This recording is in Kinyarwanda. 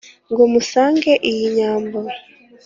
ngo musange iyi nyambo